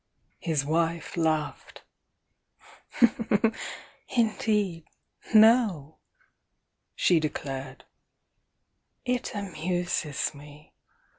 His wife laughed. "Indeed, no!" she declared. "It amuses me!